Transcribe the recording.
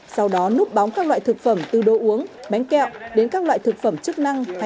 sau đó núp bóng các loại thực phẩm từ đồ uống bánh kẹo đến các loại thực phẩm chức năng